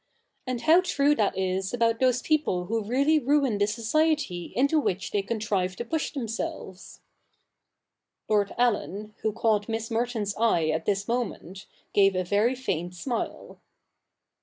' And how true that is about those people who really ruin the society into which they contrive to push themselves I ' Lord Allen, who caught Miss Merton's eye at this moment, gave a very faint smile.